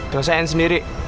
terus saya yang sendiri